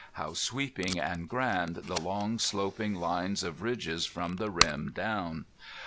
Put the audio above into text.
How sweeping and grand the long sloping lines of ridges from the rim down!